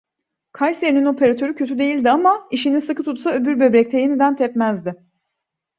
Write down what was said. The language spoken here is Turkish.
Kayseri'nin operatörü kötü değildi ama, işini sıkı tutsa öbür böbrekte yeniden tepmezdi.